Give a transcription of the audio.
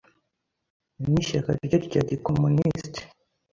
n'ishyaka rye rya gikomunisiti